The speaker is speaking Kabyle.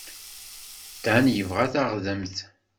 Dan yebɣa taɣdemt.